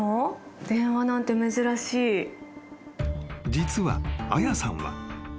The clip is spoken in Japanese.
［実はあやさんは］